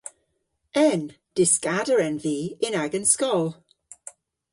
En. Dyskader en vy yn agan skol.